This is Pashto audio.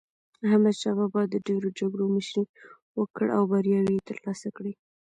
احمد شاه بابا د ډېرو جګړو مشري وکړه او بریاوي یې ترلاسه کړې.